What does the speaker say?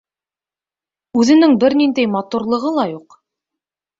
Үҙенең бер ниндәй матурлығы ла юҡ.